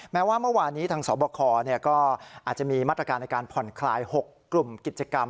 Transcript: แม้ว่าเมื่อวานนี้ทางสบคก็อาจจะมีมาตรการในการผ่อนคลาย๖กลุ่มกิจกรรม